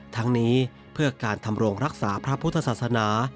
ทั้งนี้เพื่อการทำโรงรักษาพระพุทธศาสนา